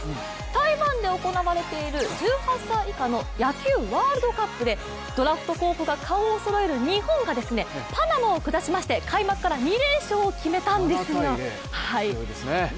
台湾で行われている１８歳以下の野球でドラフト候補が顔をそろえる日本がパナマを下しまして開幕から２連勝を決めたんですよ！